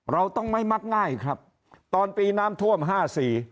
เราต้องไม่มักง่ายครับตอนปีน้ำท่วมห้าสี่